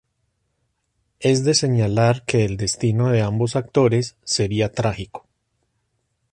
Es de señalar que el destino de ambos actores sería trágico.